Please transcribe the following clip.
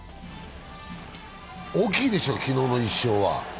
大きいでしょう、昨日の１勝は。